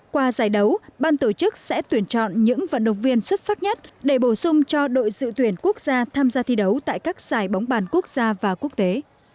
qua giải đấu ban tổ chức sẽ tuyển chọn những vận động viên xuất sắc nhất để bổ sung cho đội dự tuyển quốc gia tham gia thi đấu tại các giải bóng bàn quốc gia và quốc tế